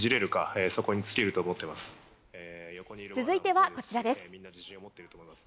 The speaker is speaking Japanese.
続いてはこちらです。